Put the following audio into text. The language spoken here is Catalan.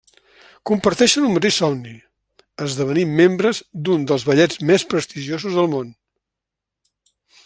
Comparteixen un mateix somni: esdevenir membres d'un dels ballets més prestigiosos del món.